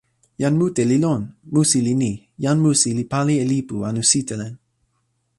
jan mute li lon！musi li ni: jan musi li pali e lipu anu sitelen.